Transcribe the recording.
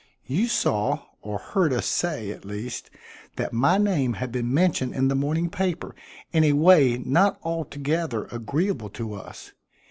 You saw, or heard us say, at least, that my name had been mentioned in the morning paper in a way not altogether agreeable to us.